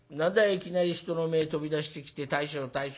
いきなり人の前飛び出してきて大将大将。